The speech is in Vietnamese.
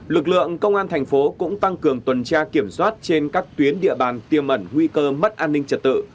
lực lượng công an thành phố cũng tăng cường tuần tra kiểm soát trên các tuyến địa bàn tiêm ẩn nguy cơ mất an ninh trật tự